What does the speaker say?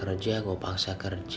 ya bie juga tedsih lengket duit